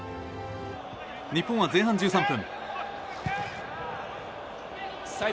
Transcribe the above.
日本は前半１３分。